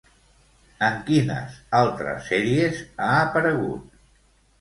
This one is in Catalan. En quines altres sèries ha aparegut?